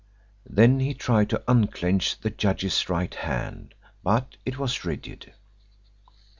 Then he tried to unclench the judge's right hand, but it was rigid.